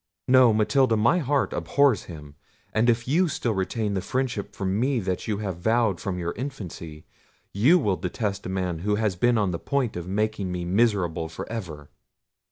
No, Matilda, my heart abhors him; and if you still retain the friendship for me that you have vowed from your infancy, you will detest a man who has been on the point of making me miserable for ever."